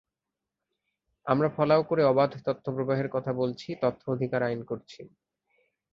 আমরা ফলাও করে অবাধ তথ্যপ্রবাহের কথা বলছি, তথ্য অধিকার আইন করছি।